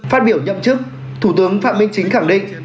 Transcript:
phát biểu nhậm chức thủ tướng phạm minh chính khẳng định